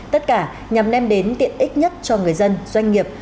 tất cả nhằm đem đến tiện ích nhất cho người dân doanh nghiệp